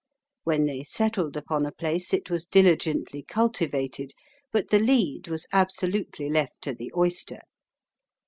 When they settled upon a place it was diligently cultivated, but the lead was absolutely left to the oyster.